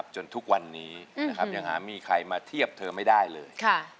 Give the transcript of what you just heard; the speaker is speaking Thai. จนทุกวันนี้นะครับยังหามีใครมาเทียบเธอไม่ได้เลย